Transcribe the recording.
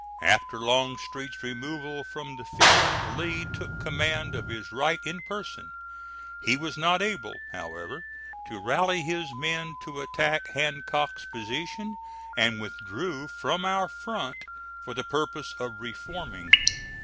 After Longstreet's removal from the field Lee took command of his right in person. He was not able, however, to rally his men to attack Hancock's position, and withdrew from our front for the purpose of reforming.